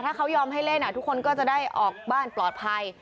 ถ้าเล่นทุกคนก็จะได้ออกบ้านปลอดภัย